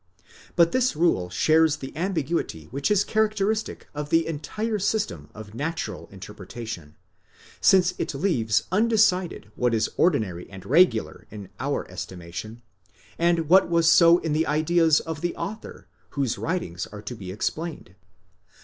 But this rule shares the ambiguity which is characteristic of the entire system of natural interpretation, since it leaves undecided what is ordinary and regular in our estimation, and what was so in the ideas of the author whose writings are to be explained.